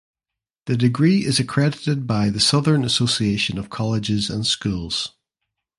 The degree is accredited by the Southern Association of Colleges and Schools.